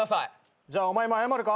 じゃあお前も謝るか？